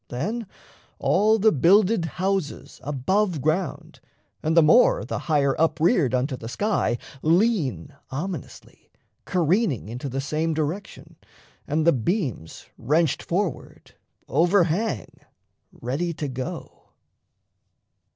Then all the builded houses Above ground and the more, the higher up reared Unto the sky lean ominously, careening Into the same direction; and the beams, Wrenched forward, over hang, ready to go.